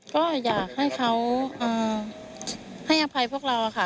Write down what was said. ก็อยากให้เขาให้อภัยพวกเราค่ะ